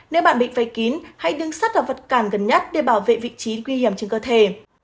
nếu bạn bị vây kín hãy đứng sắt là vật cản gần nhất để bảo vệ vị trí nguy hiểm trên cơ thể